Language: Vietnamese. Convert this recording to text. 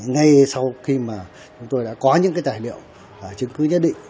ngay sau khi mà chúng tôi đã có những cái tài liệu chứng cứ nhất định